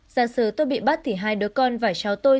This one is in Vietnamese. giả sử tôi bị bắt thì hai đứa con và cháu tôi